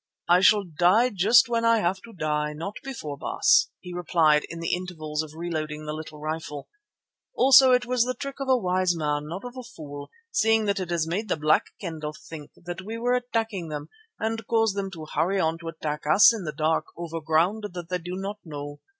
"I shall die just when I have to die, not before, Baas," he replied in the intervals of reloading the little rifle. "Also it was the trick of a wise man, not of a fool, seeing that it has made the Black Kendah think that we were attacking them and caused them to hurry on to attack us in the dark over ground that they do not know.